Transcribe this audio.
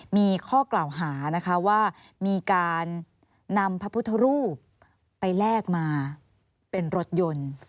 มีการนำพระพุทธรูปไปแลกมาเป็นรถยนต์